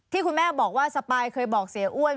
ที่คุณแม่บอกว่าสปายเคยบอกเสียอ้วน